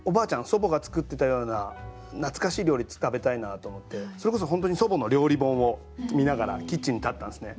祖母が作ってたような懐かしい料理食べたいなと思ってそれこそ本当に祖母の料理本を見ながらキッチンに立ったんですね。